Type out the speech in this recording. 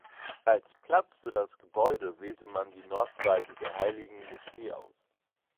Als Platz für das Gebäude wählte man die Nordseite der Heiligen Moschee aus.